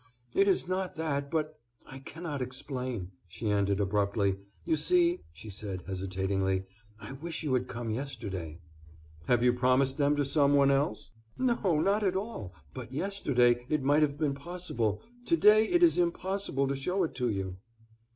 "It is not that, but—I cannot explain." She ended abruptly. "You see," she said, hesitatingly, "I wish you had come yesterday." "Have you promised them to some one else?" "No, not at all; but yesterday it might have been possible, to day it is impossible to show it to you."